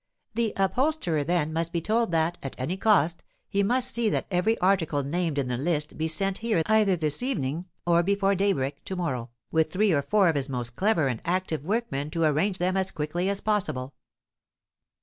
"The upholsterer, then, must be told that, at any cost, he must see that every article named in the list be sent here either this evening or before daybreak to morrow, with three or four of his most clever and active workmen to arrange them as quickly as possible."